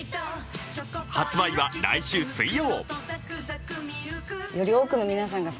発売は来週水曜。